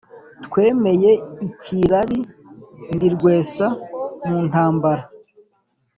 Twemeye ikirari ndi rwesa mu ntambara